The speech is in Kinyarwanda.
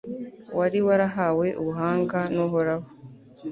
wari warahawe ubuhanga n'uhoraho